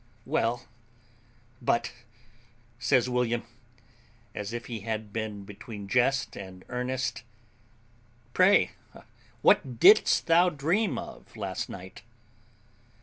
"Well, but," says William, as if he had been between jest and earnest, "pray, what didst thou dream of last night?"